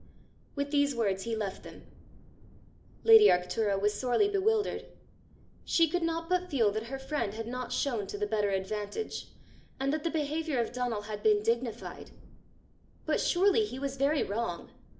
With these words he left them. Lady Arctura was sorely bewildered. She could not but feel that her friend had not shown to the better advantage, and that the behaviour of Donal had been dignified. But surely he was very wrong!